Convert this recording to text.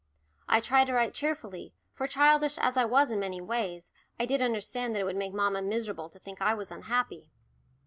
I tried to write cheerfully, for childish as I was in many ways, I did understand that it would make mamma miserable to think I was unhappy.